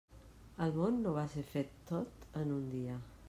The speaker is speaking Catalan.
El món no va ser fet tot en un dia.